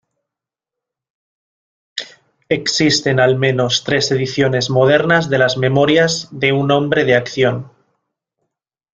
Existen al menos tres ediciones modernas de las "Memorias de un hombre de acción".